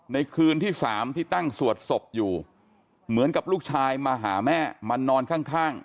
ในคืนที่๓ที่ตั้งสวดศพอยู่เหมือนกับลูกชายมาหาแม่มานอนข้าง